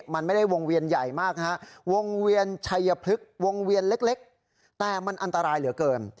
มันไม่ได้วงเวียนใหญ่มากนะฮะวงเวียนชัยพลึกวงเวียนเล็กแต่มันอันตรายเหลือเกิน